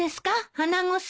穴子さん。